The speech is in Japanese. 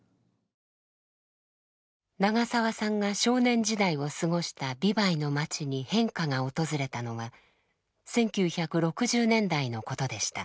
長澤さんが少年時代を過ごした美唄の町に変化が訪れたのは１９６０年代のことでした。